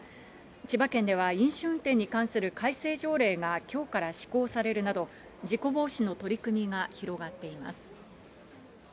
千葉県では飲酒運転に関する改正条例がきょうから施行されるなど、事故防止の取り組みが広がっています。